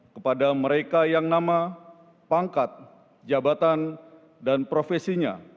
kepada mereka yang nama pangkat jabatan dan profesinya